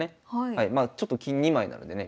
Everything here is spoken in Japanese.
まあちょっと金２枚なのでね